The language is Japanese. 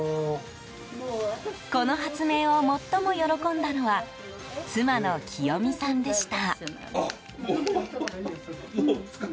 この発明を最も喜んだのは妻のきよ美さんでした。